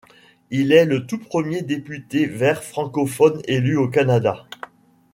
Il est le tout premier député vert francophone élu au Canada.